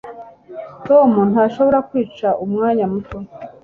Tom ntashobora kwicara umwanya muto